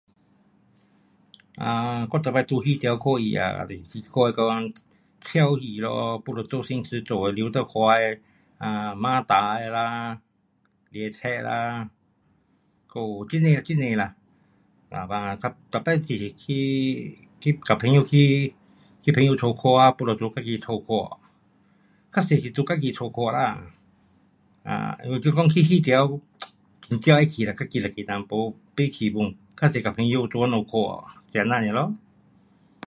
啊，我每次在戏场看戏啊也是去看那个穷戏咯，没就周星驰做的，刘德华的，啊，警察的啦，抓贼啦，还有很多，很多啦。嘞我每次都是去，跟朋友去，去朋友家看，没就在自己家看。较多是在自己家看，啊，因为你讲去戏场，很少要去啦，自己一个人，没，不去pun, 较多是跟朋友在那家看，就是这样尔咯。